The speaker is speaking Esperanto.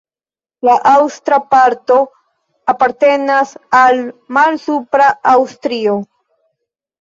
La aŭstra parto apartenas al Malsupra Aŭstrio.